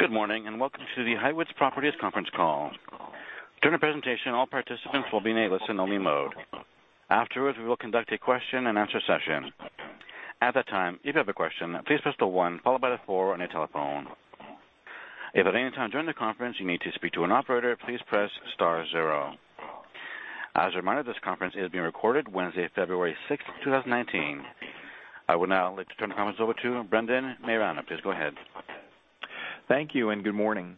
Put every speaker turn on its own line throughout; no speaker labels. Good morning, and welcome to the Highwoods Properties conference call. During the presentation, all participants will be in a listen-only mode. Afterwards, we will conduct a question-and-answer session. At that time, if you have a question, please press the one followed by the four on your telephone. If at any time during the conference you need to speak to an operator, please press star zero. As a reminder, this conference is being recorded Wednesday, February 6th, 2019. I would now like to turn the conference over to Brendan Maiorana. Please go ahead.
Thank you and good morning.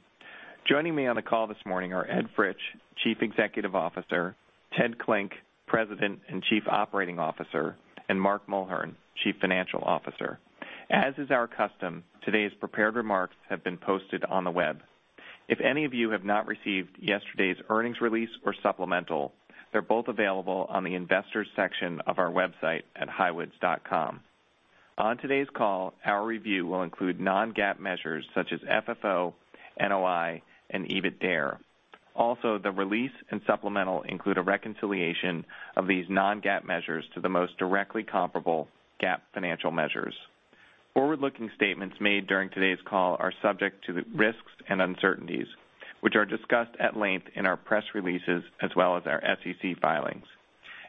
Joining me on the call this morning are Ed Fritsch, Chief Executive Officer, Ted Klinck, President and Chief Operating Officer, and Mark Mulhern, Chief Financial Officer. As is our custom, today's prepared remarks have been posted on the web. If any of you have not received yesterday's earnings release or supplemental, they're both available on the investors section of our website at highwoods.com. On today's call, our review will include non-GAAP measures such as FFO, NOI, and EBITDARE. Also, the release and supplemental include a reconciliation of these non-GAAP measures to the most directly comparable GAAP financial measures. Forward-looking statements made during today's call are subject to risks and uncertainties, which are discussed at length in our press releases, as well as our SEC filings.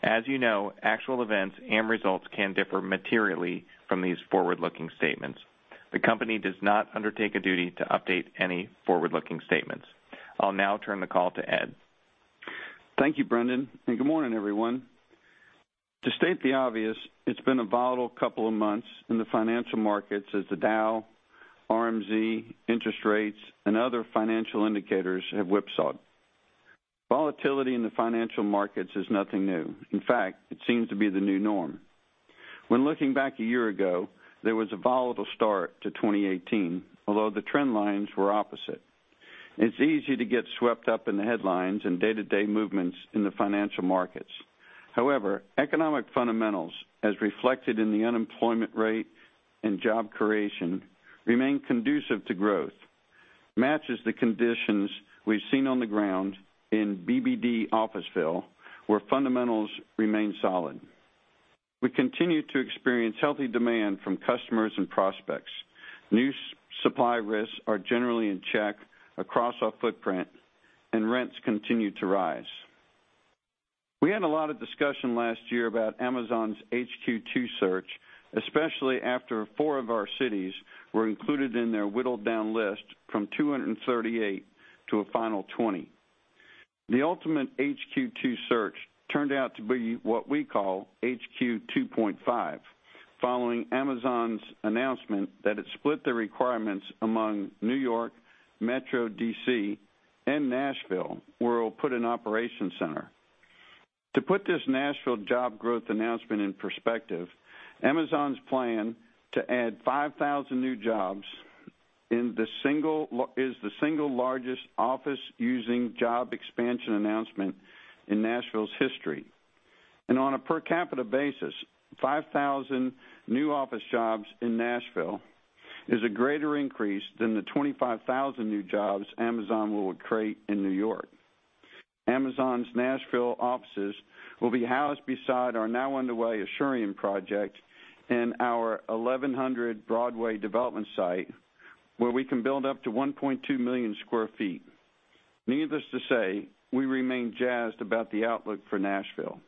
As you know, actual events and results can differ materially from these forward-looking statements. The company does not undertake a duty to update any forward-looking statements. I'll now turn the call to Ed.
Thank you, Brendan, and good morning, everyone. To state the obvious, it's been a volatile couple of months in the financial markets as the Dow, RMZ, interest rates, and other financial indicators have whipsawed. Volatility in the financial markets is nothing new. In fact, it seems to be the new norm. When looking back a year ago, there was a volatile start to 2018, although the trend lines were opposite. It's easy to get swept up in the headlines and day-to-day movements in the financial markets. However, economic fundamentals, as reflected in the unemployment rate and job creation, remain conducive to growth, matches the conditions we've seen on the ground in BBD Officeville, where fundamentals remain solid. We continue to experience healthy demand from customers and prospects. New supply risks are generally in check across our footprint, and rents continue to rise. We had a lot of discussion last year about Amazon's HQ2 search, especially after four of our cities were included in their whittled-down list from 238 to a final 20. The ultimate HQ2 search turned out to be what we call HQ 2.5, following Amazon's announcement that it split the requirements among New York, Metro D.C., and Nashville, where it'll put an operation center. To put this Nashville job growth announcement in perspective, Amazon's plan to add 5,000 new jobs is the single largest office-using job expansion announcement in Nashville's history. On a per capita basis, 5,000 new office jobs in Nashville is a greater increase than the 25,000 new jobs Amazon will create in New York. Amazon's Nashville offices will be housed beside our now underway Asurion project in our 1100 Broadway development site, where we can build up to 1.2 million sq ft. Needless to say, we remain jazzed about the outlook for Nashville.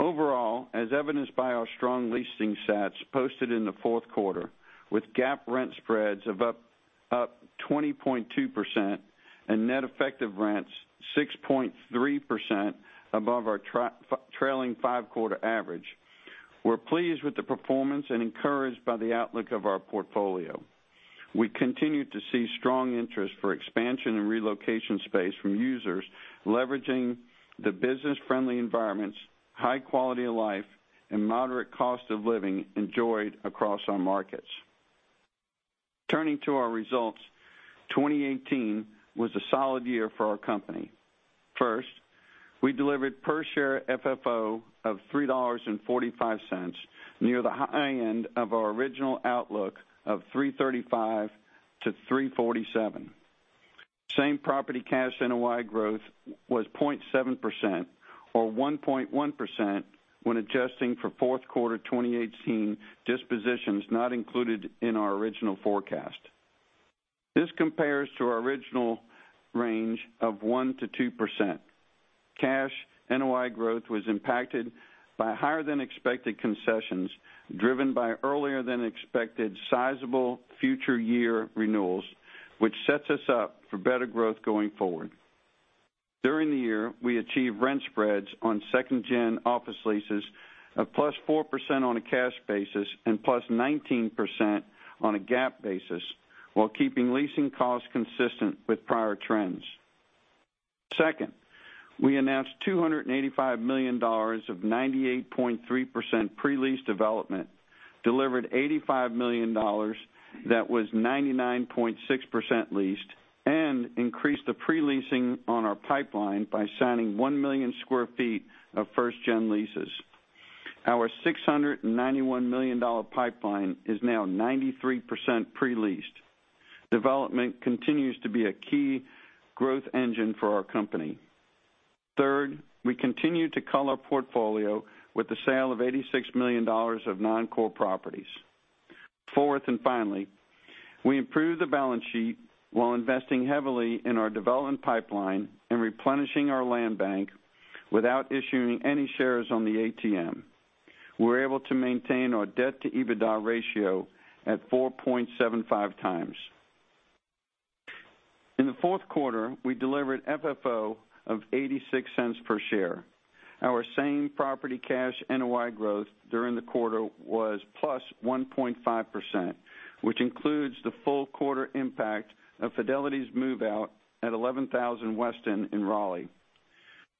Overall, as evidenced by our strong leasing stats posted in the fourth quarter, with GAAP rent spreads of up 20.2% and net effective rents 6.3% above our trailing five-quarter average, we're pleased with the performance and encouraged by the outlook of our portfolio. We continue to see strong interest for expansion and relocation space from users leveraging the business-friendly environments, high quality of life, and moderate cost of living enjoyed across our markets. Turning to our results, 2018 was a solid year for our company. First, we delivered per share FFO of $3.45, near the high end of our original outlook of $3.35-$3.47. Same property cash NOI growth was 0.7%, or 1.1% when adjusting for fourth quarter 2018 dispositions not included in our original forecast. This compares to our original range of 1%-2%. Cash NOI growth was impacted by higher than expected concessions driven by earlier than expected sizable future year renewals, which sets us up for better growth going forward. During the year, we achieved rent spreads on second-gen office leases of +4% on a cash basis and +19% on a GAAP basis while keeping leasing costs consistent with prior trends. Second, we announced $285 million of 98.3% pre-lease development, delivered $85 million that was 99.6% leased, and increased the pre-leasing on our pipeline by signing 1 million sq ft of first-gen leases. Our $691 million pipeline is now 93% pre-leased. Development continues to be a key growth engine for our company. Third, we continued to cull our portfolio with the sale of $86 million of non-core properties. Fourth, finally, we improved the balance sheet while investing heavily in our development pipeline and replenishing our land bank without issuing any shares on the ATM. We were able to maintain our debt-to-EBITDA ratio at 4.75x. In the fourth quarter, we delivered FFO of $0.86 per share. Our same-property cash NOI growth during the quarter was +1.5%, which includes the full quarter impact of Fidelity's move-out at 11000 Weston in Raleigh.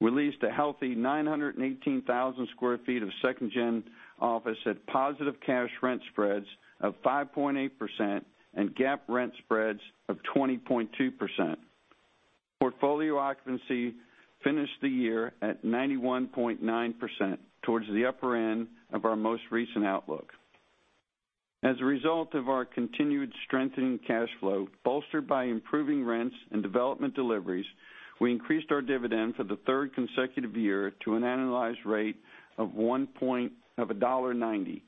We leased a healthy 918,000 sq ft of second-gen office at positive cash rent spreads of 5.8% and GAAP rent spreads of 20.2%. Portfolio occupancy finished the year at 91.9%, towards the upper end of our most recent outlook. As a result of our continued strengthening cash flow, bolstered by improving rents and development deliveries, we increased our dividend for the third consecutive year to an annualized rate of $1.90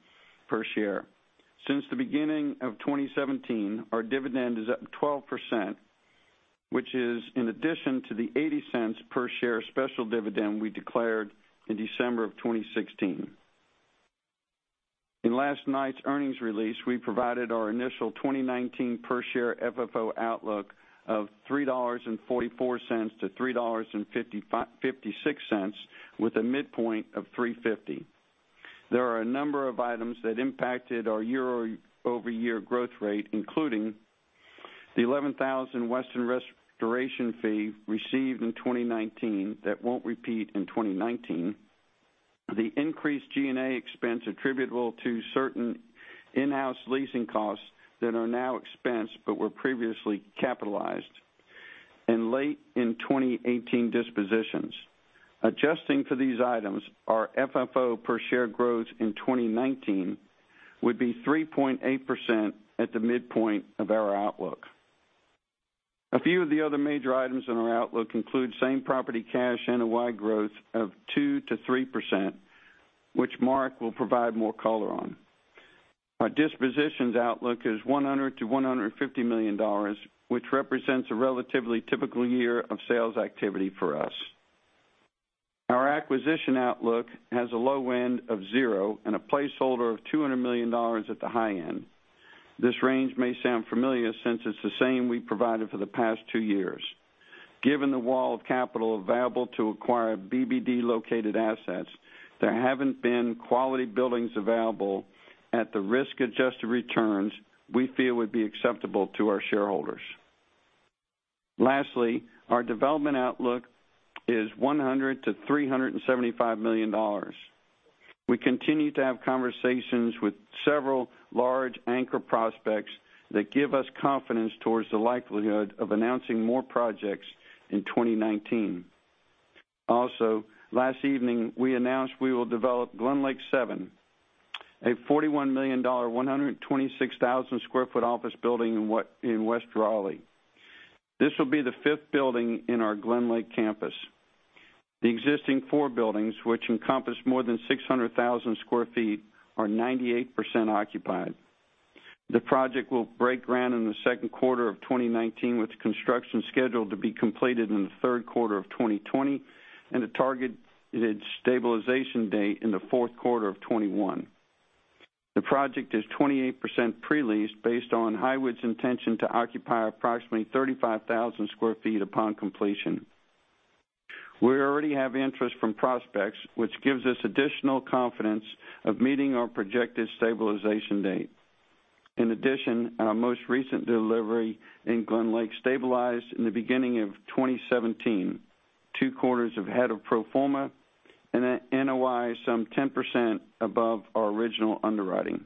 per share. Since the beginning of 2017, our dividend is up 12%, which is in addition to the $0.80 per share special dividend we declared in December 2016. In last night's earnings release, we provided our initial 2019 per share FFO outlook of $3.44-$3.56, with a midpoint of $3.50. There are a number of items that impacted our year-over-year growth rate, including the 11000 Weston restoration fee received in 2019 that won't repeat in 2019, the increased G&A expense attributable to certain in-house leasing costs that are now expensed but were previously capitalized, and late in 2018 dispositions. Adjusting for these items, our FFO per share growth in 2019 would be 3.8% at the midpoint of our outlook. A few of the other major items in our outlook include same property cash NOI growth of 2%-3%, which Mark will provide more color on. Our dispositions outlook is $100 million-$150 million, which represents a relatively typical year of sales activity for us. Our acquisition outlook has a low end of zero and a placeholder of $200 million at the high end. This range may sound familiar since it's the same we've provided for the past two years. Given the wall of capital available to acquire BBD-located assets, there haven't been quality buildings available at the risk-adjusted returns we feel would be acceptable to our shareholders. Lastly, our development outlook is $100 million-$375 million. We continue to have conversations with several large anchor prospects that give us confidence towards the likelihood of announcing more projects in 2019. Also, last evening, we announced we will develop GlenLake Seven, a $41 million 126,000 sq ft office building in West Raleigh. This will be the fifth building in our GlenLake campus. The existing four buildings, which encompass more than 600,000 sq ft, are 98% occupied. The project will break ground in the second quarter of 2019, with construction scheduled to be completed in the third quarter of 2020 and a targeted stabilization date in the fourth quarter of 2021. The project is 28% pre-leased based on Highwoods' intention to occupy approximately 35,000 sq ft upon completion. We already have interest from prospects, which gives us additional confidence of meeting our projected stabilization date. In addition, our most recent delivery in GlenLake stabilized in the beginning of 2017, two quarters ahead of pro forma, and NOI some 10% above our original underwriting.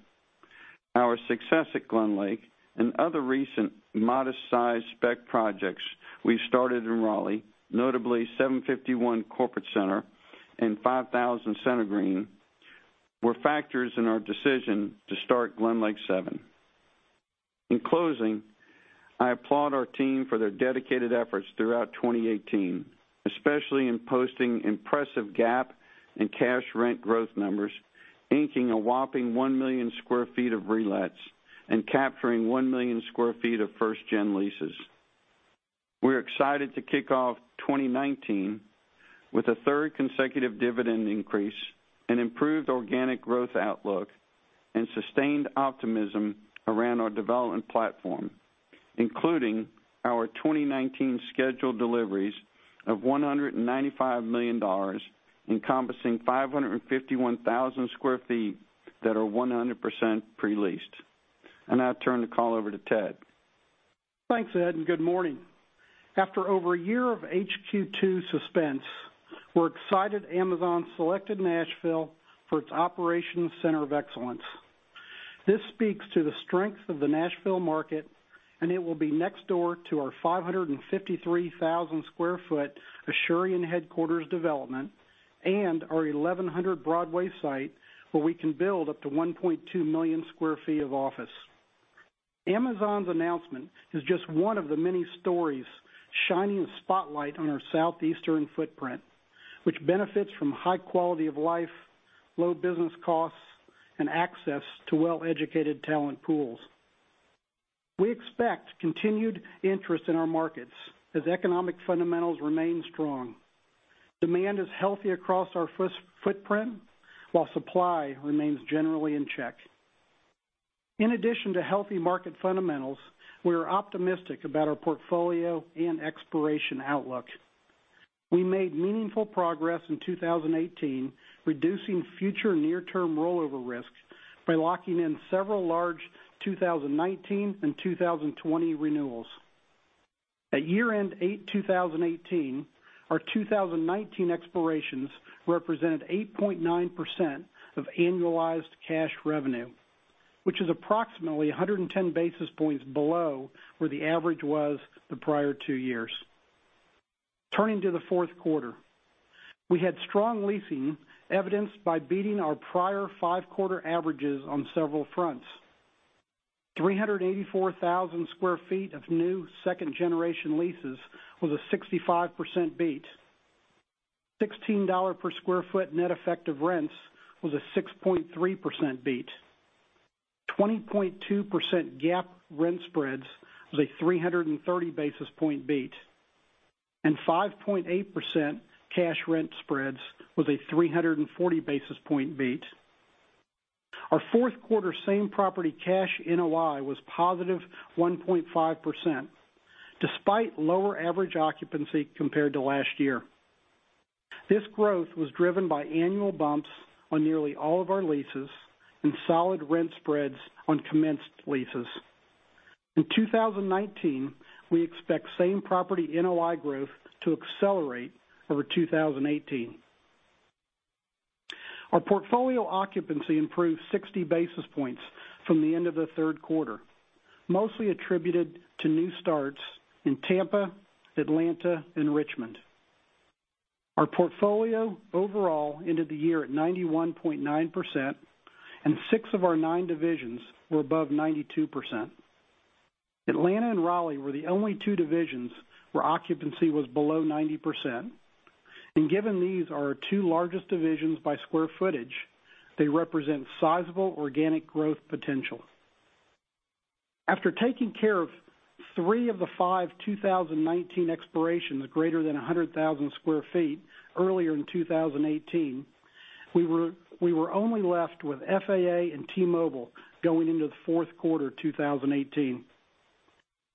Our success at GlenLake and other recent modest-sized spec projects we've started in Raleigh, notably 751 Corporate Center and 5000 Center Green, were factors in our decision to start GlenLake Seven. In closing, I applaud our team for their dedicated efforts throughout 2018, especially in posting impressive GAAP and cash rent growth numbers, inking a whopping 1 million sq ft of relets, and capturing 1 million sq ft of first gen leases. We're excited to kick off 2019 with a third consecutive dividend increase, an improved organic growth outlook, and sustained optimism around our development platform, including our 2019 scheduled deliveries of $195 million, encompassing 551,000 sq ft that are 100% pre-leased. I'll turn the call over to Ted.
Thanks, Ed, and good morning. After over a year of HQ2 suspense, we're excited Amazon selected Nashville for its Operations Center of Excellence. This speaks to the strength of the Nashville market, and it will be next door to our 553,000 sq ft Asurion headquarters development and our 1100 Broadway site, where we can build up to 1.2 million sq ft of office. Amazon's announcement is just one of the many stories shining a spotlight on our southeastern footprint, which benefits from high quality of life, low business costs, and access to well-educated talent pools. We expect continued interest in our markets as economic fundamentals remain strong. Demand is healthy across our footprint, while supply remains generally in check. In addition to healthy market fundamentals, we are optimistic about our portfolio and expiration outlook. We made meaningful progress in 2018, reducing future near-term rollover risks by locking in several large 2019 and 2020 renewals. At year-end 2018, our 2019 expirations represented 8.9% of annualized cash revenue, which is approximately 110 basis points below where the average was the prior two years. Turning to the fourth quarter, we had strong leasing evidenced by beating our prior five-quarter averages on several fronts. 384,000 sq ft of new second-generation leases was a 65% beat. $16 per sq ft net effective rents was a 6.3% beat. 20.2% GAAP rent spreads was a 330 basis point beat, and 5.8% cash rent spreads was a 340 basis point beat. Our fourth quarter same-property cash NOI was +1.5%, despite lower average occupancy compared to last year. This growth was driven by annual bumps on nearly all of our leases and solid rent spreads on commenced leases. In 2019, we expect same-property NOI growth to accelerate over 2018. Our portfolio occupancy improved 60 basis points from the end of the third quarter, mostly attributed to new starts in Tampa, Atlanta, and Richmond. Our portfolio overall ended the year at 91.9%, and six of our nine divisions were above 92%. Atlanta and Raleigh were the only two divisions where occupancy was below 90%, and given these are our two largest divisions by square footage, they represent sizable organic growth potential. After taking care of three of the five 2019 expirations greater than 100,000 sq ft earlier in 2018, we were only left with FAA and T-Mobile going into the fourth quarter 2018.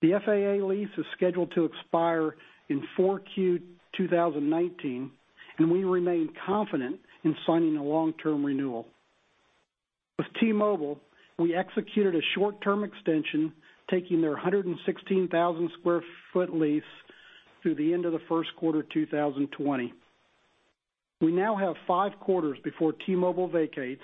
The FAA lease is scheduled to expire in 4Q 2019, and we remain confident in signing a long-term renewal. With T-Mobile, we executed a short-term extension, taking their 116,000 sq ft lease through the end of the first quarter 2020. We now have five quarters before T-Mobile vacates,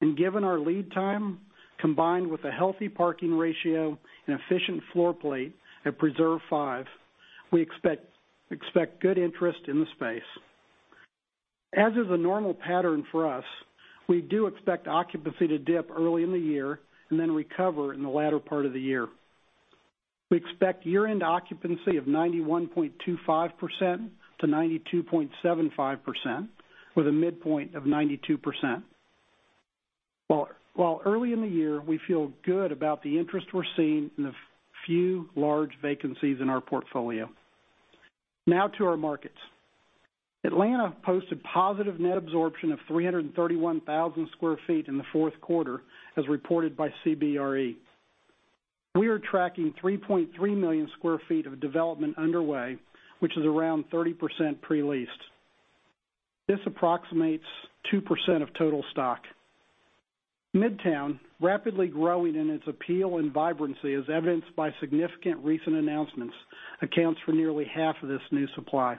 and given our lead time, combined with a healthy parking ratio and efficient floor plate at Preserve V, we expect good interest in the space. As is the normal pattern for us, we do expect occupancy to dip early in the year and then recover in the latter part of the year. We expect year-end occupancy of 91.25%-92.75%, with a midpoint of 92%. While early in the year, we feel good about the interest we're seeing in the few large vacancies in our portfolio. Now to our markets. Atlanta posted positive net absorption of 331,000 sq ft in the fourth quarter, as reported by CBRE. We are tracking 3.3 million sq ft of development underway, which is around 30% pre-leased. This approximates 2% of total stock. Midtown, rapidly growing in its appeal and vibrancy, as evidenced by significant recent announcements, accounts for nearly half of this new supply.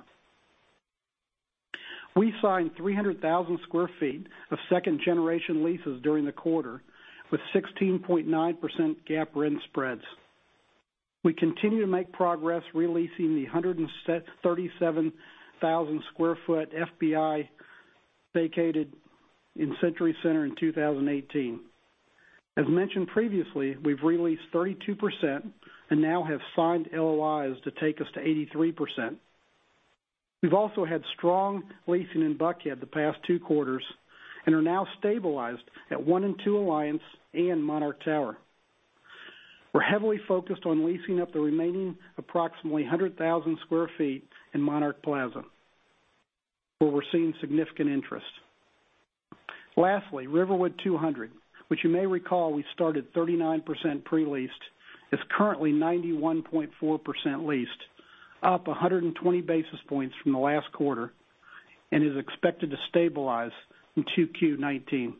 We signed 300,000 sq ft of second-generation leases during the quarter, with 16.9% GAAP rent spreads. We continue to make progress re-leasing the 137,000 sq ft FBI vacated in Century Center in 2018. As mentioned previously, we've re-leased 32% and now have signed LOIs to take us to 83%. We've also had strong leasing in Buckhead the past two quarters and are now stabilized at One and Two Alliance and Monarch Tower. We're heavily focused on leasing up the remaining approximately 100,000 sq ft in Monarch Plaza, where we're seeing significant interest. Lastly, Riverwood 200, which you may recall we started 39% pre-leased, is currently 91.4% leased, up 120 basis points from the last quarter, and is expected to stabilize in 2Q 2019.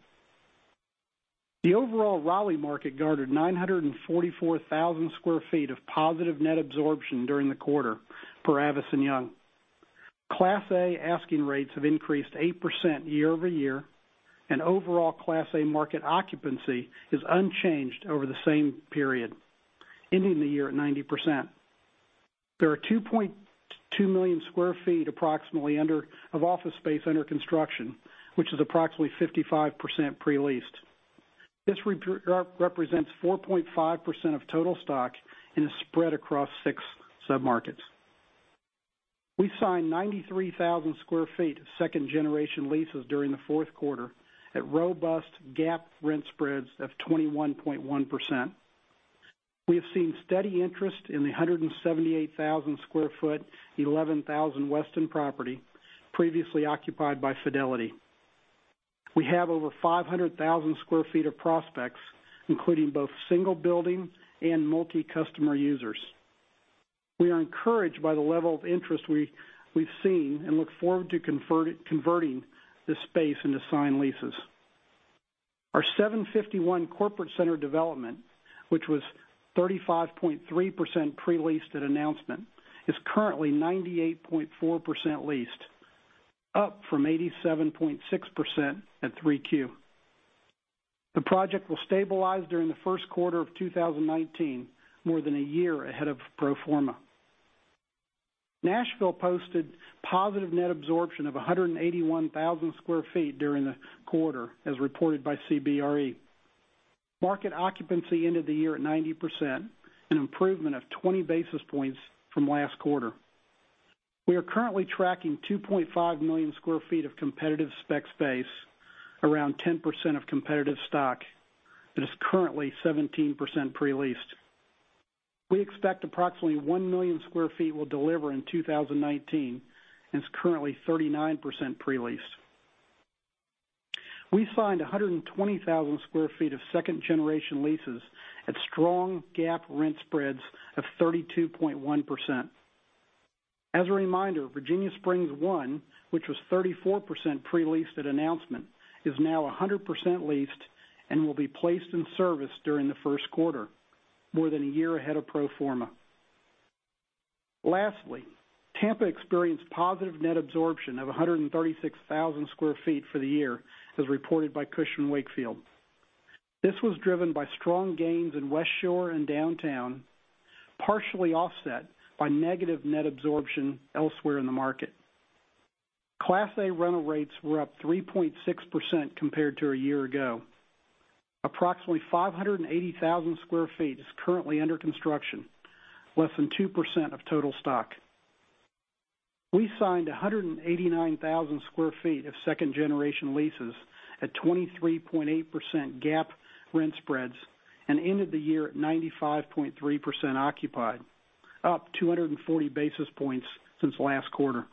The overall Raleigh market garnered 944,000 sq ft of positive net absorption during the quarter for Avison Young. Class A asking rates have increased 8% year-over-year, and overall Class A market occupancy is unchanged over the same period, ending the year at 90%. There are 2.2 million sq ft approximately of office space under construction, which is approximately 55% pre-leased. This represents 4.5% of total stock and is spread across six sub-markets. We signed 93,000 sq ft of second-generation leases during the fourth quarter at robust GAAP rent spreads of 21.1%. We have seen steady interest in the 178,000 sq ft, 11000 Weston property previously occupied by Fidelity. We have over 500,000 sq ft of prospects, including both single building and multi-customer users. We are encouraged by the level of interest we've seen and look forward to converting this space into signed leases. Our 751 Corporate Center development, which was 35.3% pre-leased at announcement, is currently 98.4% leased, up from 87.6% at 3Q. The project will stabilize during the first quarter of 2019, more than a year ahead of pro forma. Nashville posted positive net absorption of 181,000 sq ft during the quarter, as reported by CBRE. Market occupancy ended the year at 90%, an improvement of 20 basis points from last quarter. We are currently tracking 2.5 million sq ft of competitive spec space, around 10% of competitive stock, that is currently 17% pre-leased. We expect approximately 1 million sq ft will deliver in 2019, and it's currently 39% pre-leased. We signed 120,000 sq ft of second-generation leases at strong GAAP rent spreads of 32.1%. As a reminder, Virginia Springs I, which was 34% pre-leased at announcement, is now 100% leased and will be placed in service during the first quarter, more than a year ahead of pro forma. Lastly, Tampa experienced positive net absorption of 136,000 sq ft for the year, as reported by Cushman & Wakefield. This was driven by strong gains in West Shore and downtown, partially offset by negative net absorption elsewhere in the market. Class A rental rates were up 3.6% compared to a year ago. Approximately 580,000 sq ft is currently under construction, less than 2% of total stock. We signed 189,000 sq ft of second-generation leases at 23.8% GAAP rent spreads and ended the year at 95.3% occupied, up 240 basis points since last quarter.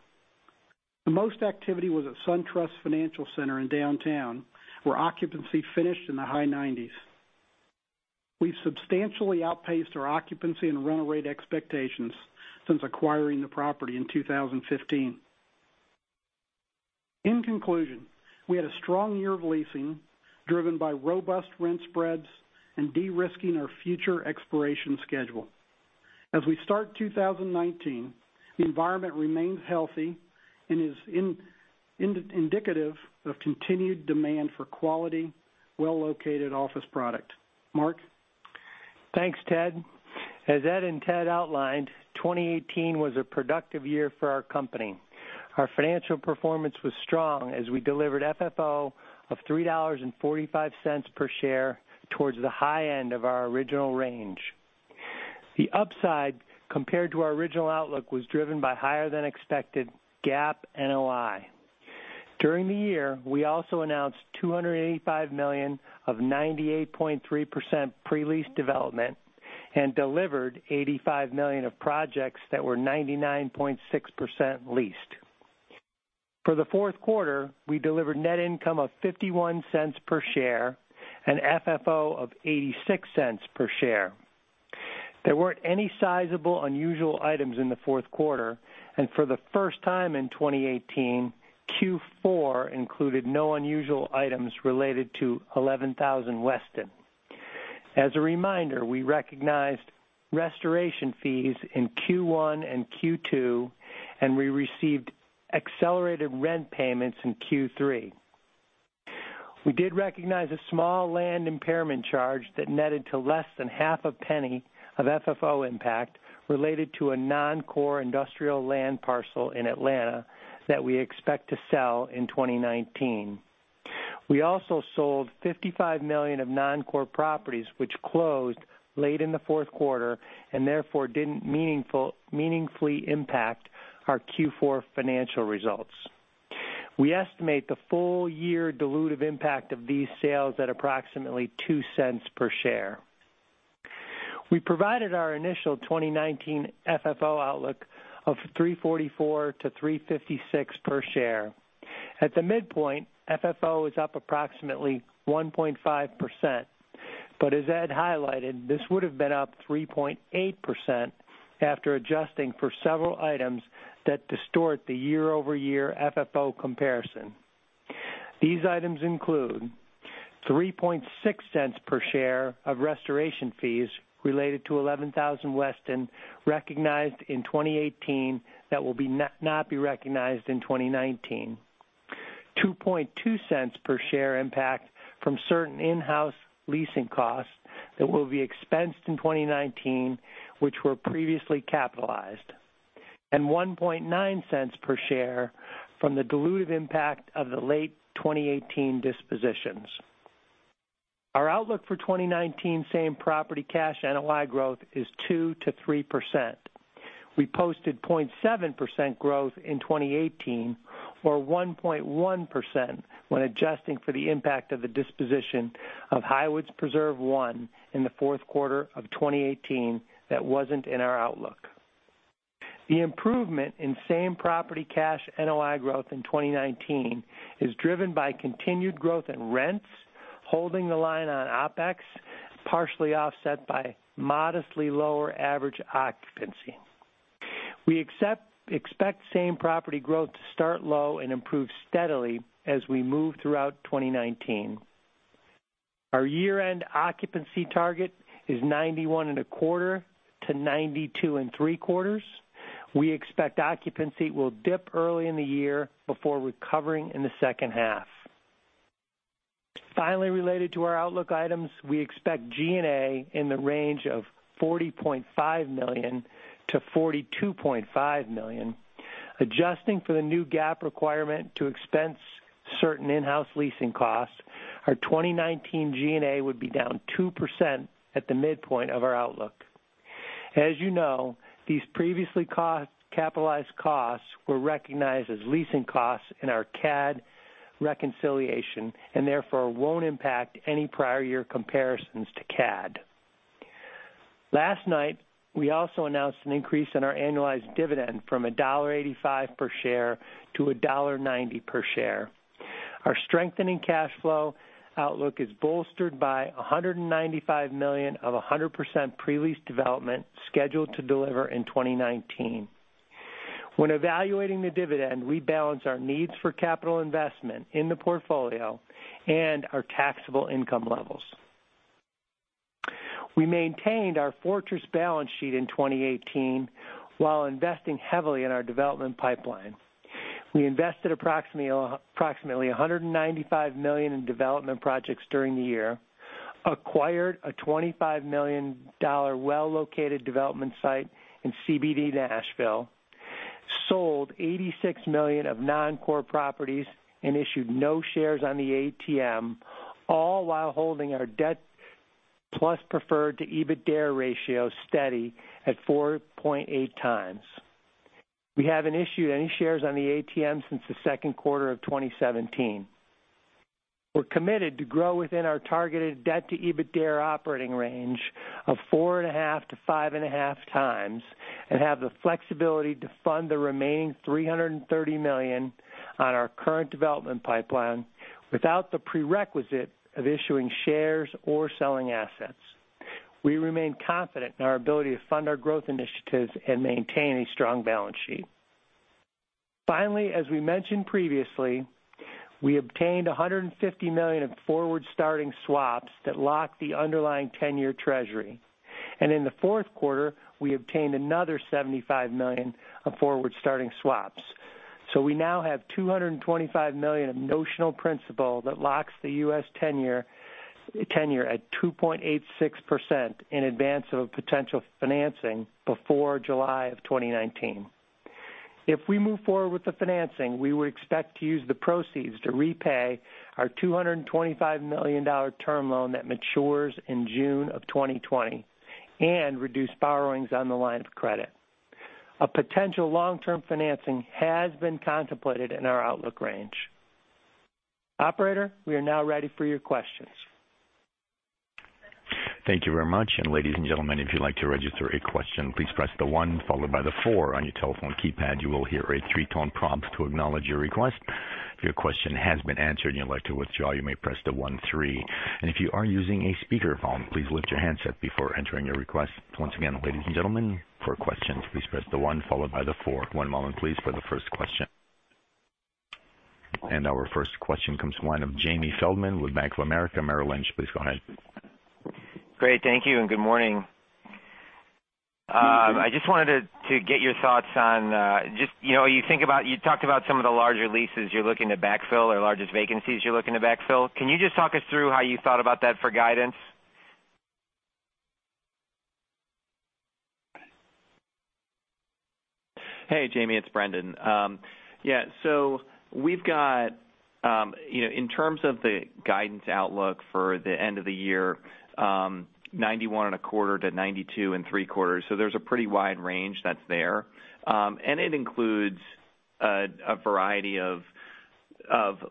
The most activity was at SunTrust Financial Center in downtown, where occupancy finished in the high-90s. We've substantially outpaced our occupancy and run rate expectations since acquiring the property in 2015. In conclusion, we had a strong year of leasing, driven by robust rent spreads and de-risking our future expiration schedule. As we start 2019, the environment remains healthy and is indicative of continued demand for quality, well-located office product. Mark?
Thanks, Ted. As Ed and Ted outlined, 2018 was a productive year for our company. Our financial performance was strong as we delivered FFO of $3.45 per share towards the high end of our original range. The upside compared to our original outlook was driven by higher than expected GAAP NOI. During the year, we also announced $285 million of 98.3% pre-leased development and delivered $85 million of projects that were 99.6% leased. For the fourth quarter, we delivered net income of $0.51 per share and FFO of $0.86 per share. There weren't any sizable unusual items in the fourth quarter, for the first time in 2018, Q4 included no unusual items related to 11000 Weston. As a reminder, we recognized restoration fees in Q1 and Q2, and we received accelerated rent payments in Q3. We did recognize a small land impairment charge that netted to less than half a penny of FFO impact related to a non-core industrial land parcel in Atlanta that we expect to sell in 2019. We also sold $55 million of non-core properties which closed late in the fourth quarter and therefore didn't meaningfully impact our Q4 financial results. We estimate the full year dilutive impact of these sales at approximately $0.02 per share. We provided our initial 2019 FFO outlook of $3.44-$3.56 per share. At the midpoint, FFO is up approximately 1.5%, as Ed highlighted, this would have been up 3.8% after adjusting for several items that distort the year-over-year FFO comparison. These items include $0.036 per share of restoration fees related to 11000 Weston recognized in 2018 that will not be recognized in 2019. $0.022 per share impact from certain in-house leasing costs that will be expensed in 2019, which were previously capitalized. $0.019 per share from the dilutive impact of the late 2018 dispositions. Our outlook for 2019 same-property cash NOI growth is 2%-3%. We posted 0.7% growth in 2018, or 1.1% when adjusting for the impact of the disposition of Highwoods Preserve I in the fourth quarter of 2018 that wasn't in our outlook. The improvement in same-property cash NOI growth in 2019 is driven by continued growth in rents, holding the line on OpEx, partially offset by modestly lower average occupancy. We expect same-property growth to start low and improve steadily as we move throughout 2019. Our year-end occupancy target is 91.25%-92.75%. We expect occupancy will dip early in the year before recovering in the second half. Finally, related to our outlook items, we expect G&A in the range of $40.5 million-$42.5 million. Adjusting for the new GAAP requirement to expense certain in-house leasing costs, our 2019 G&A would be down 2% at the midpoint of our outlook. As you know, these previously capitalized costs were recognized as leasing costs in our CAD reconciliation and therefore won't impact any prior year comparisons to CAD. Last night, we also announced an increase in our annualized dividend from $1.85 per share to $1.90 per share. Our strengthening cash flow outlook is bolstered by $195 million of 100% pre-leased development scheduled to deliver in 2019. When evaluating the dividend, we balance our needs for capital investment in the portfolio and our taxable income levels. We maintained our fortress balance sheet in 2018 while investing heavily in our development pipeline. We invested approximately $195 million in development projects during the year, acquired a $25 million well-located development site in CBD Nashville, sold $86 million of non-core properties, and issued no shares on the ATM, all while holding our debt plus preferred to EBITDA ratio steady at 4.8x. We haven't issued any shares on the ATM since the second quarter of 2017. We're committed to grow within our targeted debt to EBITDA operating range of 4.5x-5.5x and have the flexibility to fund the remaining $330 million on our current development pipeline without the prerequisite of issuing shares or selling assets. We remain confident in our ability to fund our growth initiatives and maintain a strong balance sheet. Finally, as we mentioned previously, we obtained $150 million of forward-starting swaps that lock the underlying 10-year Treasury. In the fourth quarter, we obtained another $75 million of forward-starting swaps. We now have $225 million of notional principal that locks the U.S. tenure at 2.86% in advance of a potential financing before July of 2019. If we move forward with the financing, we would expect to use the proceeds to repay our $225 million term loan that matures in June of 2020 and reduce borrowings on the line of credit. A potential long-term financing has been contemplated in our outlook range. Operator, we are now ready for your questions.
Thank you very much. Ladies and gentlemen, if you'd like to register a question, please press the one followed by the four on your telephone keypad. You will hear a three-tone prompt to acknowledge your request. If your question has been answered and you'd like to withdraw, you may press the one three. If you are using a speakerphone, please lift your handset before entering your request. Once again, ladies and gentlemen, for questions, please press the one followed by the four. One moment, please, for the first question. Our first question comes from the line of Jamie Feldman with Bank of America Merrill Lynch. Please go ahead.
Great. Thank you, and good morning. You talked about some of the larger leases you're looking to backfill or largest vacancies you're looking to backfill. Can you just talk us through how you thought about that for guidance?
Hey, Jamie, it's Brendan. Yeah. We've got, in terms of the guidance outlook for the end of the year, 91.25%-92.75%. There's a pretty wide range that's there. It includes a variety of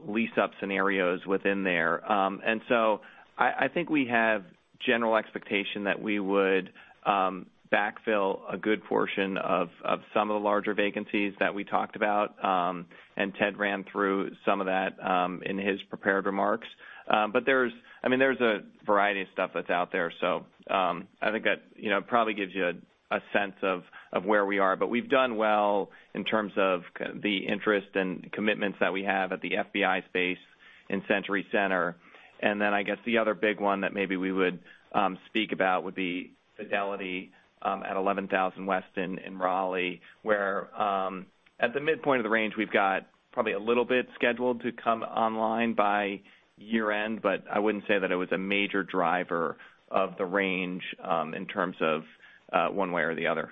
lease-up scenarios within there. I think we have general expectation that we would backfill a good portion of some of the larger vacancies that we talked about. Ted ran through some of that in his prepared remarks. There's a variety of stuff that's out there. I think that probably gives you a sense of where we are. We've done well in terms of the interest and commitments that we have at the FBI space In Century Center. I guess the other big one that maybe we would speak about would be Fidelity at 11000 Weston in Raleigh, where at the midpoint of the range, we've got probably a little bit scheduled to come online by year-end, but I wouldn't say that it was a major driver of the range in terms of one way or the other.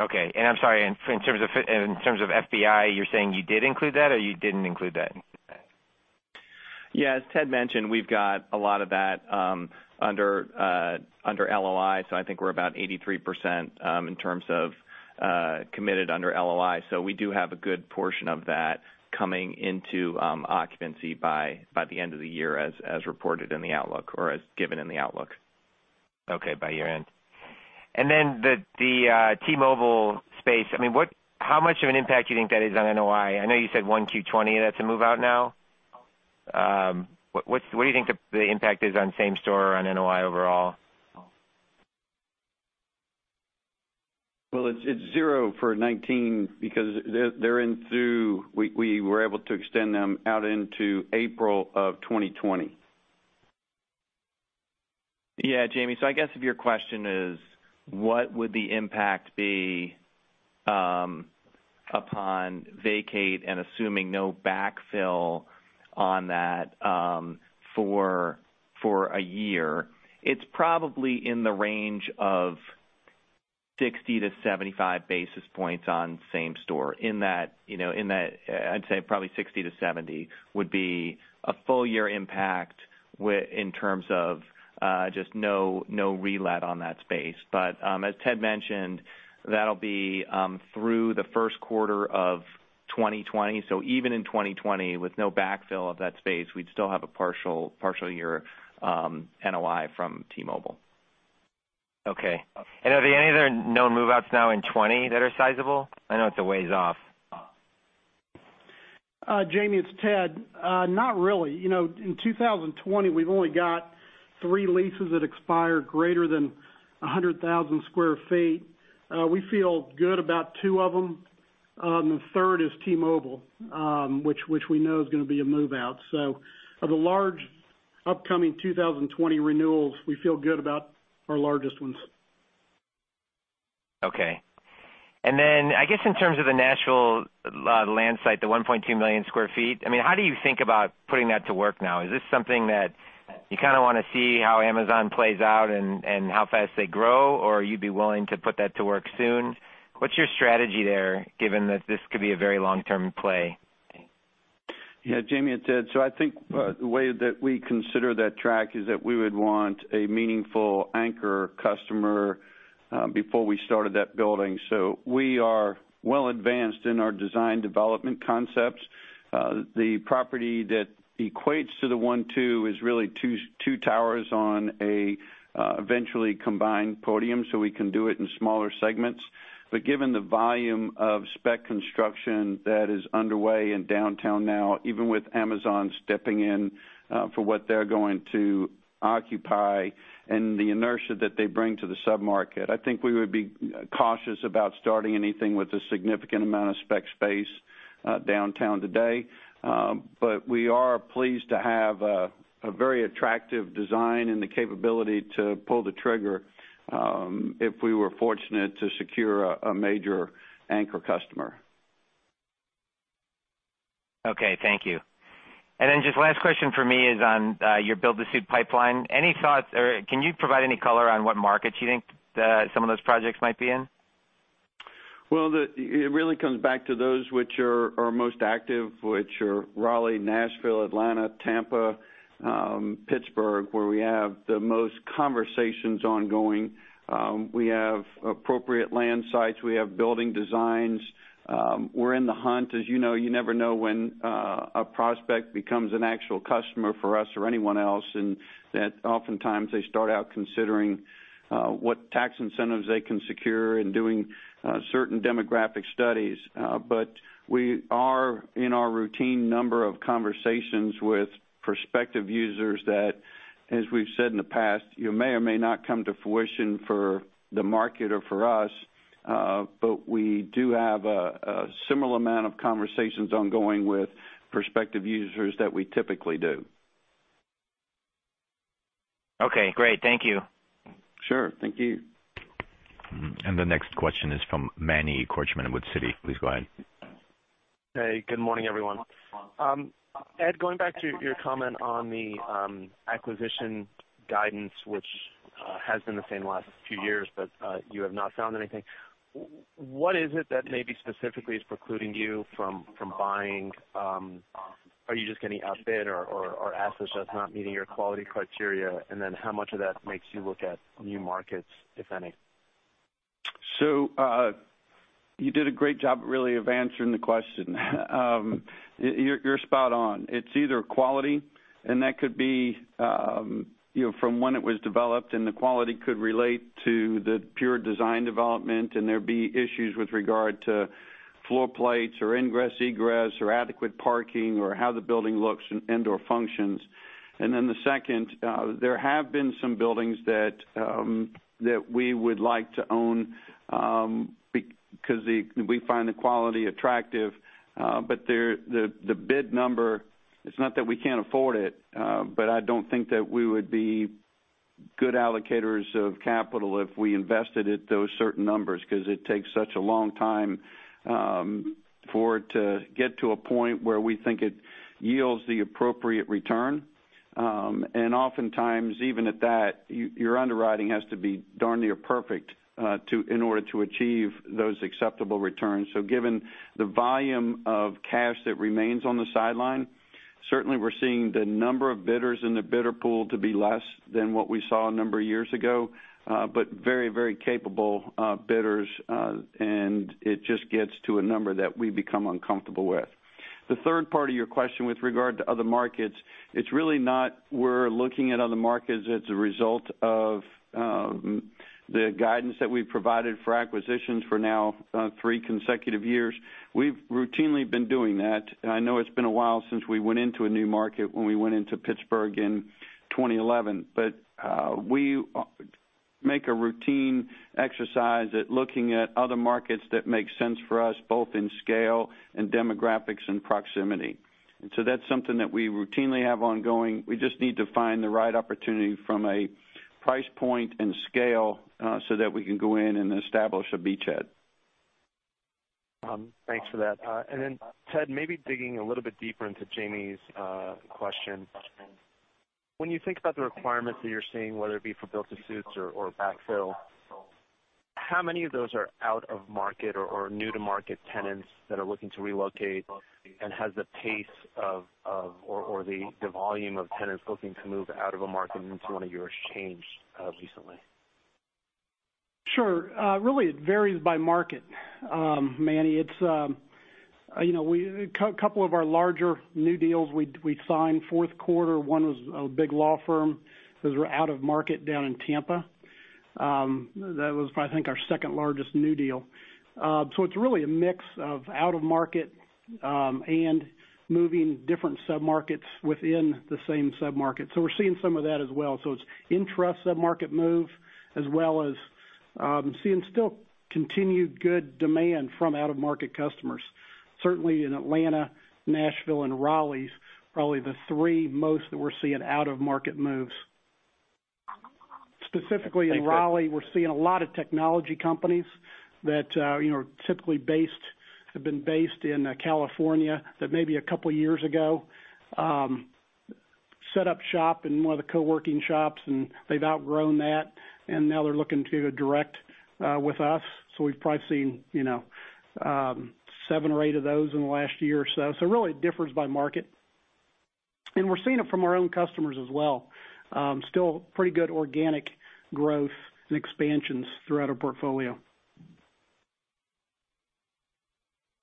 Okay. I'm sorry, in terms of FBI, you're saying you did include that, or you didn't include that?
As Ted mentioned, we've got a lot of that under LOI. I think we're about 83% in terms of committed under LOI. We do have a good portion of that coming into occupancy by the end of the year, as reported in the outlook, or as given in the outlook. By year-end.
The T-Mobile space, how much of an impact do you think that is on NOI? I know you said 1Q 2020, that's a move-out now. What do you think the impact is on same-store or on NOI overall?
Well, it's zero for 2019 because we were able to extend them out into April of 2020.
Yeah, Jamie. I guess if your question is, what would the impact be upon vacate and assuming no backfill on that for a year, it's probably in the range of 60 basis points-75 basis points on same-store. In that, I'd say probably 60 basis points-70 basis points would be a full-year impact in terms of just no relet on that space. As Ted mentioned, that'll be through the first quarter of 2020. Even in 2020, with no backfill of that space, we'd still have a partial year NOI from T-Mobile.
Okay. Are there any other known move-outs now in 2020 that are sizable? I know it's a ways off.
Jamie, it's Ted. Not really. In 2020, we've only got three leases that expire greater than 100,000 sq ft. We feel good about two of them. The third is T-Mobile, which we know is going to be a move-out. Of the large upcoming 2020 renewals, we feel good about our largest ones.
Okay. I guess in terms of the national land site, the 1.2 million sq ft, how do you think about putting that to work now? Is this something that you kind of want to see how Amazon plays out and how fast they grow, or you'd be willing to put that to work soon? What's your strategy there, given that this could be a very long-term play?
Yeah, Jamie, it's Ed. I think the way that we consider that track is that we would want a meaningful anchor customer before we started that building. We are well advanced in our design development concepts. The property that equates to the 1.2 million is really two towers on a eventually combined podium, so we can do it in smaller segments. Given the volume of spec construction that is underway in downtown now, even with Amazon stepping in for what they're going to occupy and the inertia that they bring to the sub-market, I think we would be cautious about starting anything with a significant amount of spec space downtown today. We are pleased to have a very attractive design and the capability to pull the trigger if we were fortunate to secure a major anchor customer.
Okay, thank you. Just last question from me is on your build-to-suit pipeline. Can you provide any color on what markets you think some of those projects might be in?
Well, it really comes back to those which are most active, which are Raleigh, Nashville, Atlanta, Tampa, Pittsburgh, where we have the most conversations ongoing. We have appropriate land sites. We have building designs. We're in the hunt. As you know, you never know when a prospect becomes an actual customer for us or anyone else, and that oftentimes they start out considering what tax incentives they can secure and doing certain demographic studies. We are in our routine number of conversations with prospective users that, as we've said in the past, may or may not come to fruition for the market or for us. We do have a similar amount of conversations ongoing with prospective users that we typically do.
Okay, great. Thank you.
Sure. Thank you.
The next question is from Manny Korchman with Citi. Please go ahead.
Hey, good morning, everyone. Ed, going back to your comment on the acquisition guidance, which has been the same the last few years, but you have not found anything. What is it that maybe specifically is precluding you from buying? Are you just getting outbid or assets just not meeting your quality criteria? And then how much of that makes you look at new markets, if any?
You did a great job, really, of answering the question. You're spot on. It's either quality, and that could be from when it was developed, and the quality could relate to the pure design development, and there'd be issues with regard to floor plates or ingress, egress, or adequate parking, or how the building looks and/or functions. And then the second, there have been some buildings that we would like to own because we find the quality attractive. But the bid number, it's not that we can't afford it, but I don't think that we would be good allocators of capital if we invested at those certain numbers because it takes such a long time for it to get to a point where we think it yields the appropriate return. And oftentimes, even at that, your underwriting has to be darn near perfect in order to achieve those acceptable returns. Given the volume of cash that remains on the sideline, certainly we're seeing the number of bidders in the bidder pool to be less than what we saw a number of years ago, but very capable bidders, and it just gets to a number that we become uncomfortable with. The third part of your question with regard to other markets, it's really not we're looking at other markets as a result of the guidance that we've provided for acquisitions for now three consecutive years. We've routinely been doing that, and I know it's been a while since we went into a new market when we went into Pittsburgh in 2011. We make a routine exercise at looking at other markets that make sense for us, both in scale and demographics and proximity. That's something that we routinely have ongoing. We just need to find the right opportunity from a price point and scale so that we can go in and establish a beachhead.
Thanks for that. Ted, maybe digging a little bit deeper into Jamie's question. When you think about the requirements that you're seeing, whether it be for build to suits or backfill, how many of those are out-of-market or new-to-market tenants that are looking to relocate, and has the pace or the volume of tenants looking to move out of a market into one of yours changed recently?
Sure. Really, it varies by market, Manny. A couple of our larger new deals we signed fourth quarter, one was a big law firm. Those were out-of-market down in Tampa. That was, I think, our second-largest new deal. It's really a mix of out-of-market, and moving different sub-markets within the same sub-market. We're seeing some of that as well. It's intra-sub-market move, as well as seeing still continued good demand from out-of-market customers. Certainly in Atlanta, Nashville, and Raleigh's probably the three most that we're seeing out-of-market moves. Specifically in Raleigh, we're seeing a lot of technology companies that have been based in California that maybe a couple of years ago, set up shop in one of the co-working shops, and they've outgrown that, and now they're looking to go direct with us. We've probably seen seven or eight of those in the last year or so. Really, it differs by market. We're seeing it from our own customers as well. Still pretty good organic growth and expansions throughout our portfolio.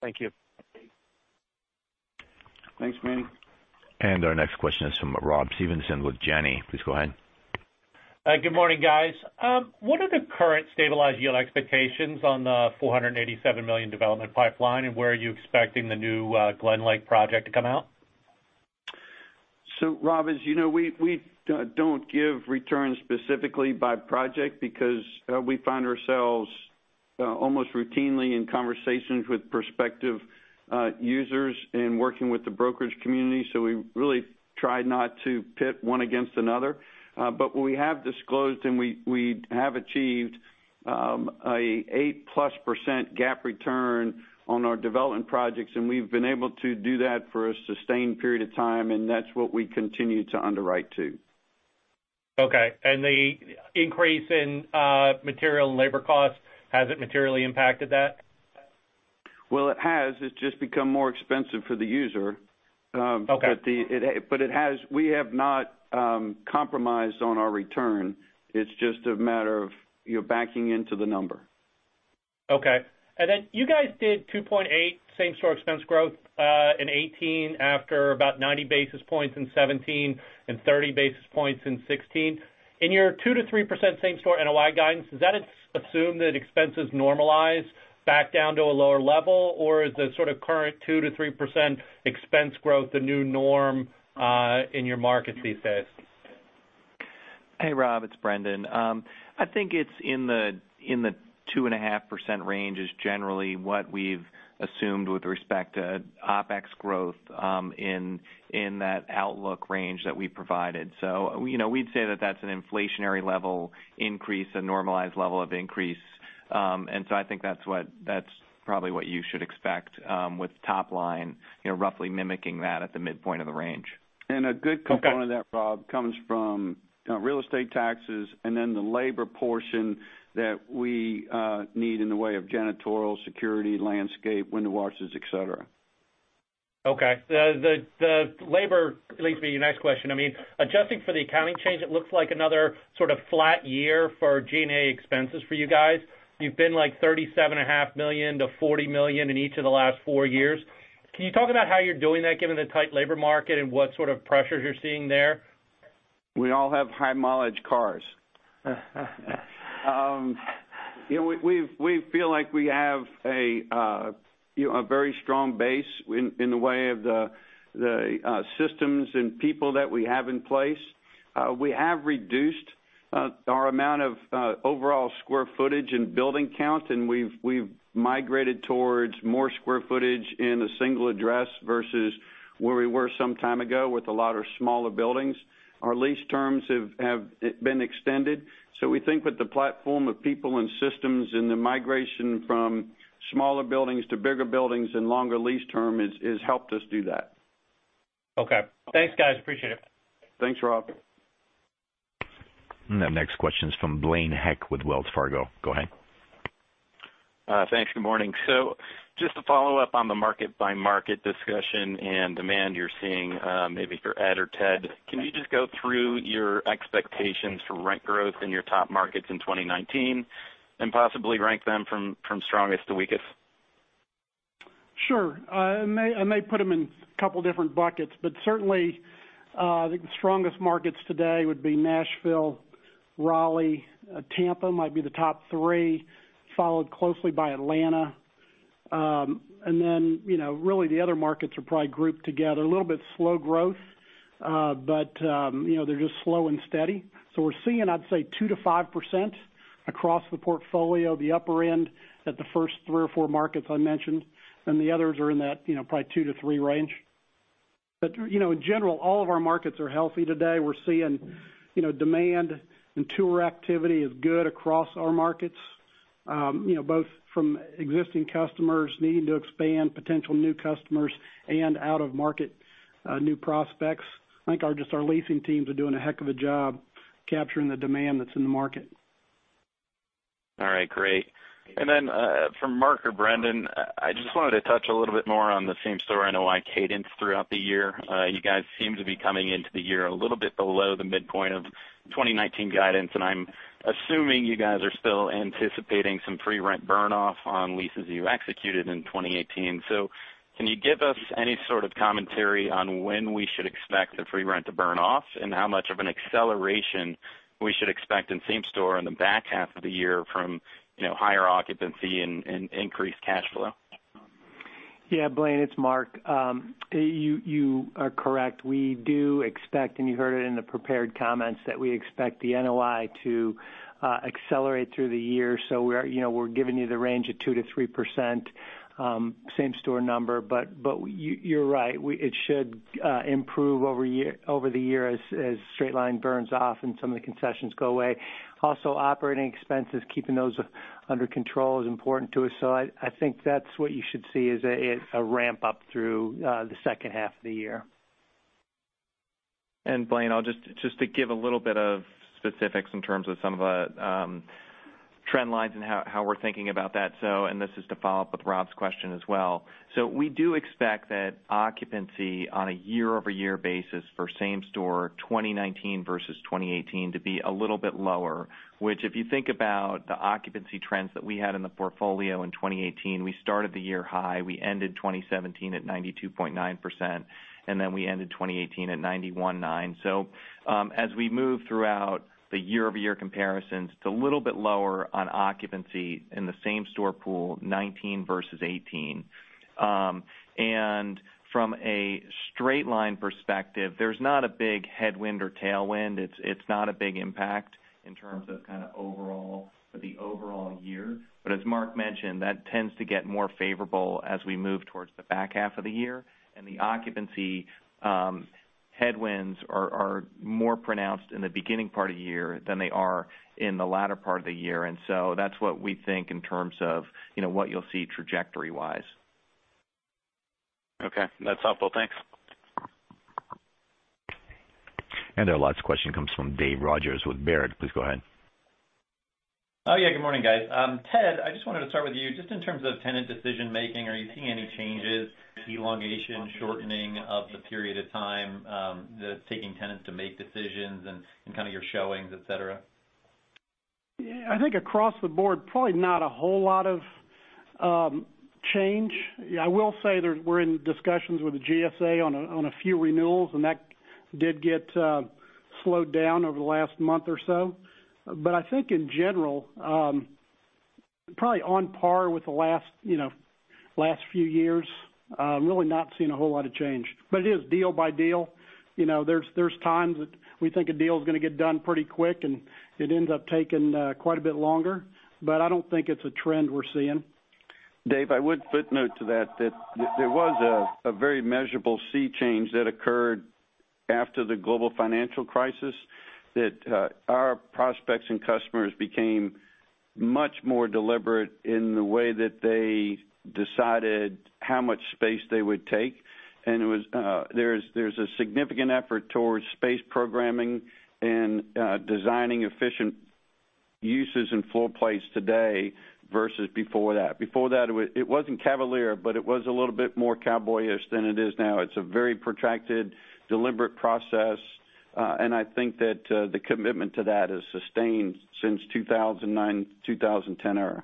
Thank you.
Thanks, Manny.
Our next question is from Rob Stevenson with Janney. Please go ahead.
Hi. Good morning, guys. What are the current stabilized yield expectations on the $487 million development pipeline, and where are you expecting the new GlenLake project to come out?
Rob, as you know, we don't give returns specifically by project because we find ourselves almost routinely in conversations with prospective users in working with the brokerage community. We really try not to pit one against another. What we have disclosed, and we have achieved, a 8%+ GAAP return on our development projects, and we've been able to do that for a sustained period of time, and that's what we continue to underwrite to.
Okay. The increase in material and labor costs, has it materially impacted that?
Well, it has. It's just become more expensive for the user.
Okay.
We have not compromised on our return. It's just a matter of you're backing into the number.
Okay. You guys did 2.8% same-store expense growth in 2018 after about 90 basis points in 2017 and 30 basis points in 2016. In your 2%-3% same-store NOI guidance, does that assume that expenses normalize back down to a lower level, or is the sort of current 2%-3% expense growth the new norm in your markets these days?
Hey, Rob, it's Brendan. I think it's in the 2.5% range is generally what we've assumed with respect to OpEx growth in that outlook range that we provided. We'd say that that's an inflationary level increase, a normalized level of increase. I think that's probably what you should expect with top line roughly mimicking that at the midpoint of the range.
Okay.
A good component of that, Rob, comes from real estate taxes and then the labor portion that we need in the way of janitorial, security, landscape, window washes, etc.
Okay. The labor leads me to the next question. Adjusting for the accounting change, it looks like another sort of flat year for G&A expenses for you guys. You've been like $37.5 million-$40 million in each of the last four years. Can you talk about how you're doing that given the tight labor market and what sort of pressures you're seeing there?
We all have high-mileage cars. We feel like we have a very strong base in the way of the systems and people that we have in place. We have reduced our amount of overall square footage and building count, and we've migrated towards more square footage in a single address versus where we were some time ago with a lot of smaller buildings. Our lease terms have been extended. We think that the platform of people and systems and the migration from smaller buildings to bigger buildings and longer lease term has helped us do that.
Okay. Thanks, guys. Appreciate it.
Thanks, Rob.
The next question's from Blaine Heck with Wells Fargo. Go ahead.
Thanks. Good morning. Just to follow up on the market by market discussion and demand you're seeing, maybe for Ed or Ted, can you just go through your expectations for rent growth in your top markets in 2019 and possibly rank them from strongest to weakest?
Sure. I may put them in a couple of different buckets, but certainly, I think the strongest markets today would be Nashville, Raleigh. Tampa might be the top three, followed closely by Atlanta. The other markets are probably grouped together, a little bit slow growth, but they're just slow and steady. We're seeing, I'd say, 2%-5% across the portfolio, the upper end at the first three or four markets I mentioned, then the others are in that probably 2%-3% range. In general, all of our markets are healthy today. We're seeing demand and tour activity is good across our markets, both from existing customers needing to expand, potential new customers, and out-of-market new prospects. I think just our leasing teams are doing a heck of a job capturing the demand that's in the market.
All right, great. For Mark or Brendan, I just wanted to touch a little bit more on the same store NOI cadence throughout the year. You guys seem to be coming into the year a little bit below the midpoint of 2019 guidance, and I'm assuming you guys are still anticipating some free rent burn-off on leases you executed in 2018. Can you give us any sort of commentary on when we should expect the free rent to burn off, and how much of an acceleration we should expect in same store on the back half of the year from higher occupancy and increased cash flow?
Yeah, Blaine, it's Mark. You are correct. We do expect, and you heard it in the prepared comments, that we expect the NOI to accelerate through the year. We're giving you the range of 2%-3% same store number. You're right. It should improve over the year as straight line burns off and some of the concessions go away. Operating expenses, keeping those under control, is important to us. I think that's what you should see is a ramp-up through the second half of the year.
Blaine, just to give a little bit of specifics in terms of some of the trend lines and how we're thinking about that, and this is to follow up with Rob's question as well. We do expect that occupancy on a year-over-year basis for same store 2019 versus 2018 to be a little bit lower. Which, if you think about the occupancy trends that we had in the portfolio in 2018, we started the year high, we ended 2017 at 92.9%, and then we ended 2018 at 91.9%. As we move throughout the year-over-year comparisons, it's a little bit lower on occupancy in the same store pool 2019 versus 2018. From a straight line perspective, there's not a big headwind or tailwind. It's not a big impact in terms of kind of the overall year. As Mark mentioned, that tends to get more favorable as we move towards the back half of the year. The occupancy headwinds are more pronounced in the beginning part of the year than they are in the latter part of the year. That's what we think in terms of what you'll see trajectory-wise.
Okay, that's helpful. Thanks.
Our last question comes from Dave Rogers with Baird. Please go ahead.
Oh, yeah. Good morning, guys. Ted, I just wanted to start with you just in terms of tenant decision-making. Are you seeing any changes, elongation, shortening of the period of time that's taking tenants to make decisions and kind of your showings, etc?
I think across the board, probably not a whole lot of change. I will say that we're in discussions with the GSA on a few renewals, that did get slowed down over the last month or so. I think in general, probably on par with the last few years. Really not seeing a whole lot of change. It is deal by deal. There's times that we think a deal is going to get done pretty quick, and it ends up taking quite a bit longer. I don't think it's a trend we're seeing.
Dave, I would footnote to that there was a very measurable sea change that occurred after the global financial crisis, that our prospects and customers became much more deliberate in the way that they decided how much space they would take. There's a significant effort towards space programming and designing efficient uses and floor plates today versus before that. Before that, it wasn't cavalier, but it was a little bit more cowboyish than it is now. It's a very protracted, deliberate process. I think that the commitment to that has sustained since 2009, 2010 era.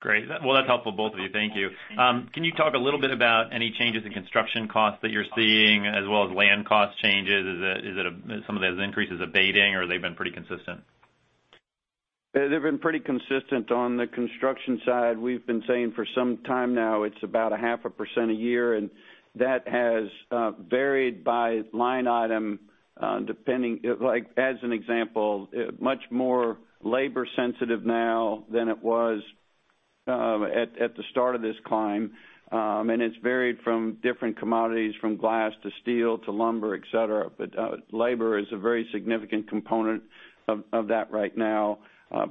Great. Well, that's helpful, both of you. Thank you. Can you talk a little bit about any changes in construction costs that you're seeing as well as land cost changes? Is some of those increases abating or they've been pretty consistent?
They've been pretty consistent. On the construction side, we've been saying for some time now, it's about 0.5% a year, and that has varied by line item, depending. As an example, much more labor sensitive now than it was at the start of this climb. It's varied from different commodities, from glass to steel to lumber, etc. Labor is a very significant component of that right now.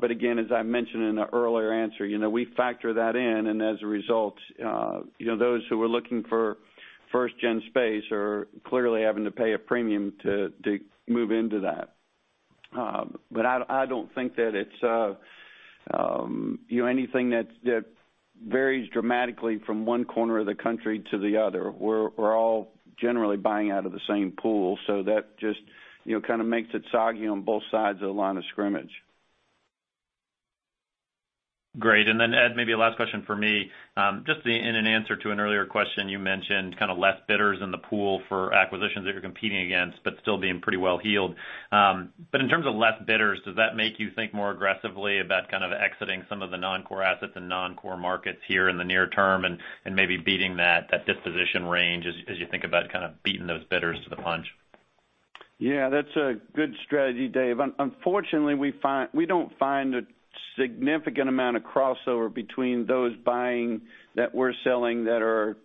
Again, as I mentioned in an earlier answer, we factor that in, and as a result, those who are looking for first-gen space are clearly having to pay a premium to move into that. I don't think that it's anything that varies dramatically from one corner of the country to the other. That just kind of makes it soggy on both sides of the line of scrimmage.
Great. Ed, maybe a last question for me. Just in an answer to an earlier question, you mentioned kind of less bidders in the pool for acquisitions that you're competing against, but still being pretty well-heeled. In terms of less bidders, does that make you think more aggressively about kind of exiting some of the non-core assets and non-core markets here in the near term and maybe beating that disposition range as you think about kind of beating those bidders to the punch?
Yeah, that's a good strategy, Dave. Unfortunately, we don't find a significant amount of crossover between those buying that we're selling that are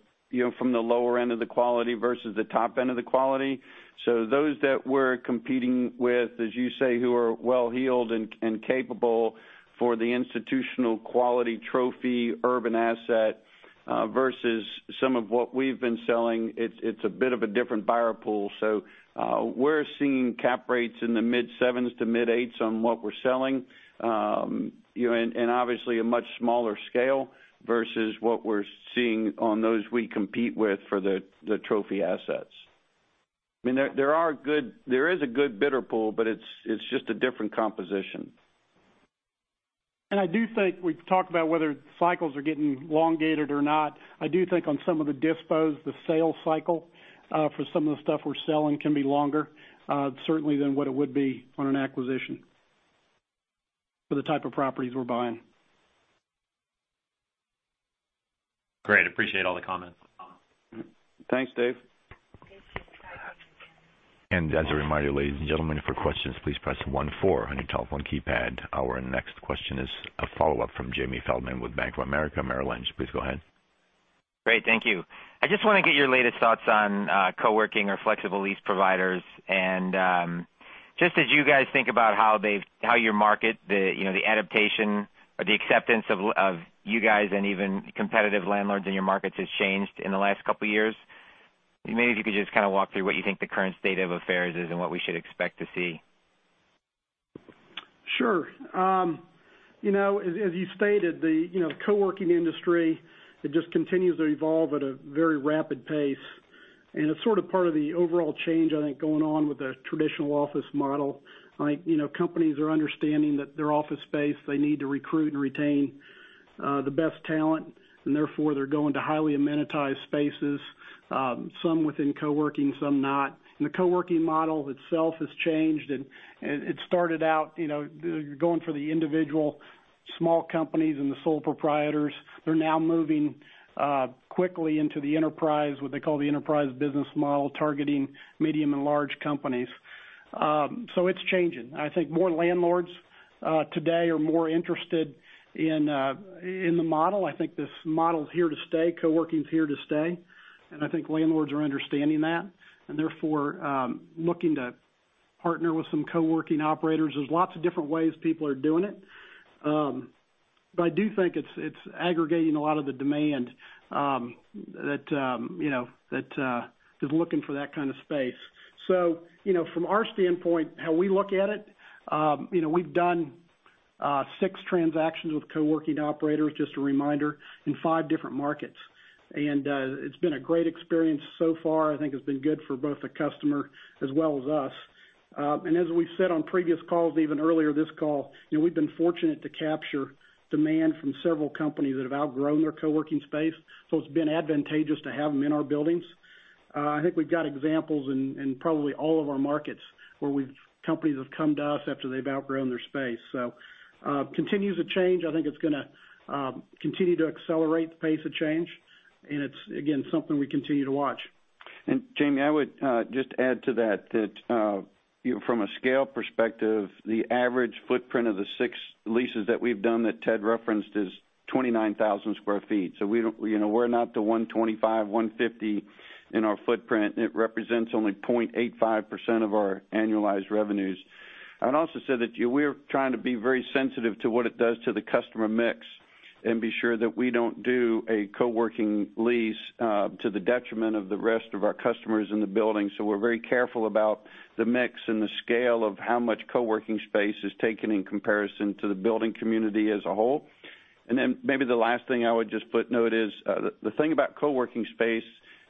from the lower end of the quality versus the top end of the quality. Those that we're competing with, as you say, who are well-heeled and capable for the institutional quality trophy, urban asset, versus some of what we've been selling, it's a bit of a different buyer pool. We're seeing cap rates in the mid sevens to mid eights on what we're selling, and obviously a much smaller scale versus what we're seeing on those we compete with for the trophy assets. There is a good bidder pool, it's just a different composition.
I do think we've talked about whether cycles are getting elongated or not. I do think on some of the dispos, the sale cycle for some of the stuff we're selling can be longer, certainly than what it would be on an acquisition for the type of properties we're buying.
Great. Appreciate all the comments.
Thanks, Dave.
As a reminder, ladies and gentlemen, for questions, please press one four on your telephone keypad. Our next question is a follow-up from Jamie Feldman with Bank of America Merrill Lynch. Please go ahead.
Great. Thank you. I just want to get your latest thoughts on co-working or flexible lease providers. Just as you guys think about how your market, the adaptation or the acceptance of you guys and even competitive landlords in your markets has changed in the last couple of years, maybe if you could just kind of walk through what you think the current state of affairs is and what we should expect to see.
Sure. As you stated, the co-working industry, it just continues to evolve at a very rapid pace. It's sort of part of the overall change, I think, going on with the traditional office model. Companies are understanding that their office space, they need to recruit and retain the best talent, and therefore, they're going to highly amenitized spaces, some within co-working, some not. The co-working model itself has changed. It started out going for the individual small companies and the sole proprietors. They're now moving quickly into the enterprise, what they call the enterprise business model, targeting medium and large companies. It's changing. I think more landlords today are more interested in the model. I think this model's here to stay, co-working's here to stay, I think landlords are understanding that, and therefore, looking to partner with some co-working operators. There's lots of different ways people are doing it. I do think it's aggregating a lot of the demand that is looking for that kind of space. From our standpoint, how we look at it, we've done six transactions with co-working operators, just a reminder, in five different markets. It's been a great experience so far. I think it's been good for both the customer as well as us. As we've said on previous calls, even earlier this call, we've been fortunate to capture demand from several companies that have outgrown their co-working space. It's been advantageous to have them in our buildings. I think we've got examples in probably all of our markets where companies have come to us after they've outgrown their space. Continues to change. I think it's going to continue to accelerate the pace of change, it's, again, something we continue to watch.
Jamie, I would just add to that from a scale perspective, the average footprint of the six leases that we've done that Ted referenced is 29,000 sq ft. We're not the 125,000 sq ft, 150,000 sq ft in our footprint, it represents only 0.85% of our annualized revenues. I would also say that we're trying to be very sensitive to what it does to the customer mix and be sure that we don't do a co-working lease to the detriment of the rest of our customers in the building. We're very careful about the mix and the scale of how much co-working space is taken in comparison to the building community as a whole. Maybe the last thing I would just note is, the thing about co-working space,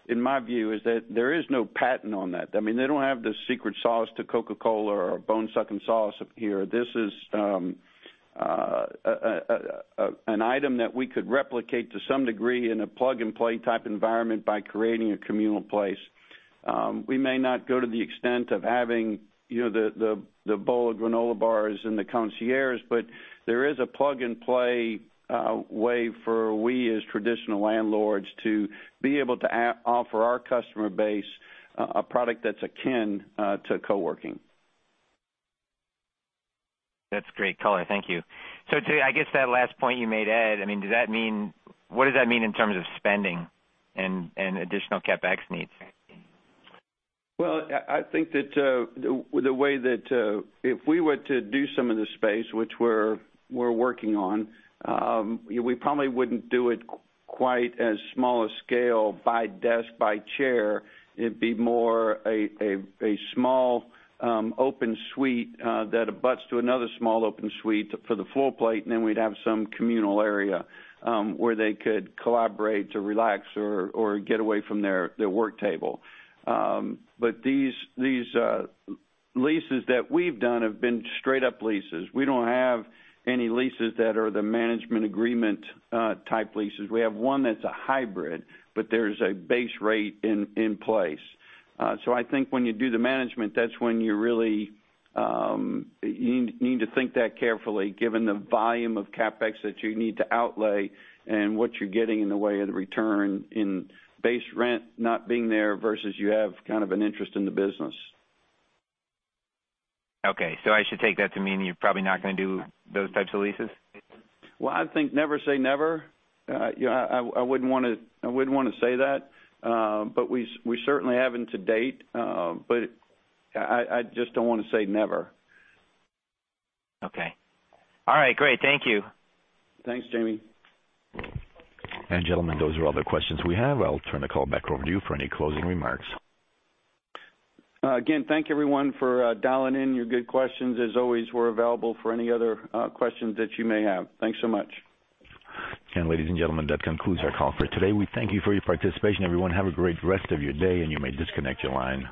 in my view, is that there is no patent on that. They don't have the secret sauce to Coca-Cola or Bone Suckin' Sauce here. An item that we could replicate to some degree in a plug-and-play type environment by creating a communal place. We may not go to the extent of having the bowl of granola bars and the concierge, but there is a plug-and-play way for we, as traditional landlords, to be able to offer our customer base a product that's akin to co-working.
That's great color. Thank you. I guess that last point you made, Ed, what does that mean in terms of spending and additional CapEx needs?
Well, I think that if we were to do some of the space, which we're working on, we probably wouldn't do it quite as small a scale by desk, by chair. It'd be more a small, open suite that abuts to another small open suite for the floor plate. Then we'd have some communal area, where they could collaborate to relax or get away from their work table. These leases that we've done have been straight up leases. We don't have any leases that are the management agreement type leases. We have one that's a hybrid, but there's a base rate in place. I think when you do the management, that's when you really need to think that carefully, given the volume of CapEx that you need to outlay and what you're getting in the way of the return in base rent not being there versus you have kind of an interest in the business.
Okay, I should take that to mean you're probably not going to do those types of leases?
Well, I think never say never. I wouldn't want to say that. We certainly haven't to date. I just don't want to say never.
Okay. All right, great. Thank you.
Thanks, Jamie.
Ladies and gentlemen, those are all the questions we have. I'll turn the call back over to you for any closing remarks.
Again, thank you, everyone, for dialing in your good questions. As always, we're available for any other questions that you may have. Thanks so much.
Ladies and gentlemen, that concludes our call for today. We thank you for your participation, everyone. Have a great rest of your day, and you may disconnect your line.